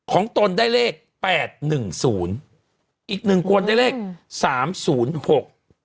ตนได้เลขแปดหนึ่งศูนย์อีกหนึ่งคนได้เลขสามศูนย์หก